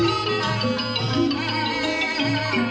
โอเคครับ